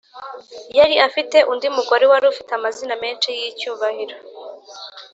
yari afite undi mugore wari ufite amazina menshi y’icyubahiro.